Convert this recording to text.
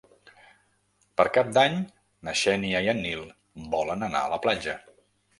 Per Cap d'Any na Xènia i en Nil volen anar a la platja.